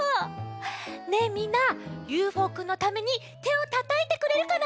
ねえみんなＵＦＯくんのためにてをたたいてくれるかな？